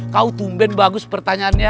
kau tumben bagus pertanyaannya